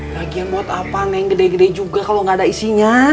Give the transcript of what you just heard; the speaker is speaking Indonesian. lagi yang buat apa neng gede gede juga kalau gak ada isinya